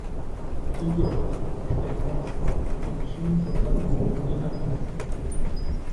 Son hierbas, perennes, con mechón insertado, glabras.